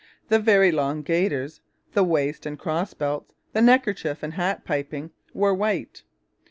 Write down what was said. The very long gaiters, the waist and cross belts, the neckerchief and hat piping were white.